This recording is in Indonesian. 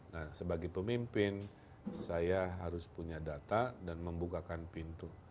nah sebagai pemimpin saya harus punya data dan membukakan pintu